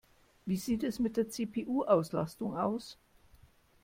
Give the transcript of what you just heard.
Wie sieht es mit der CPU-Auslastung aus?